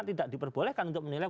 tidak diperbolehkan untuk menilai